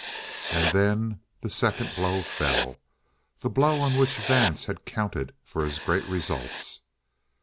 And then the second blow fell, the blow on which Vance had counted for his great results.